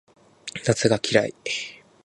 夏が嫌い